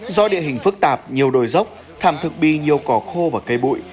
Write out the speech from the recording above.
do địa hình phức tạp nhiều đồi dốc thảm thực bị nhiều cỏ khô và cây bụi